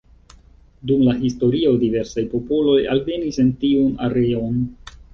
Dum la historio diversaj popoloj alvenis en tiun areon.